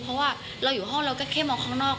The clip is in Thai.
เพราะว่าเราอยู่ห้องเราก็แค่มองข้างนอก